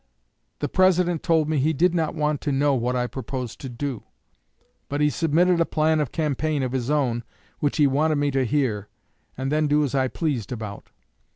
The President told me he did not want to know what I proposed to do. But he submitted a plan of campaign of his own which he wanted me to hear and then do as I pleased about.